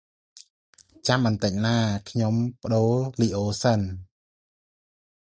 ចាំតិចណា៎ ខ្ញុំផ្ដូរលីអូសិន។